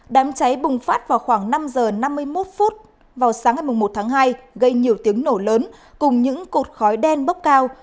đám cháy bùng phát vào khoảng năm giờ năm mươi một vào sáng ngày một tháng hai gây nhiều tiếng nổ lớn cùng những cột khói đen bốc cao